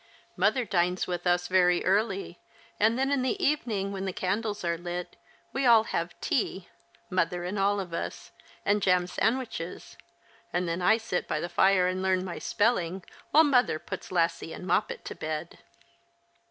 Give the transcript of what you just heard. Mother dines with us very early, and then in the evening, when the candles are lit, we all have tea, mother and all of us, and jam sandwiches, and then I sit by the fire and learn my spelling while mother puts Lassie and jMoppet to bed."